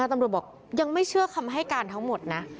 ตำรวจบอกยังไม่เชื่อคำให้การทั้งหมดนะ